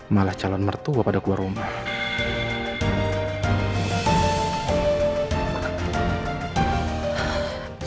malah calon mertua pada kuarung ini